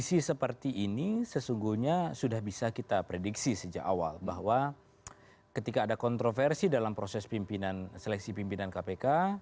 yang saya inginkan ini misalnya ya itu sudah bisa kita prediksi sejak awal bahwa ketika ada kontroversi dalam proses pimpinan seleksi pimpinan kpk